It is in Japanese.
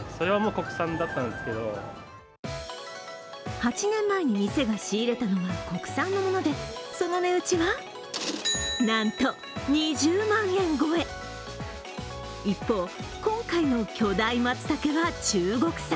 ８年前に店が仕入れたのは国産のものでその値打ちは、なんと２０万円超え一方、今回の巨大まつたけは中国産。